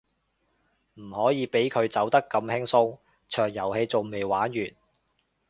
唔可以畀佢走得咁輕鬆，場遊戲仲未玩完